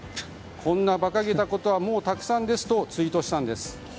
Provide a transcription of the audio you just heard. こんな馬鹿げたことはもうたくさんですとツイートしたんです。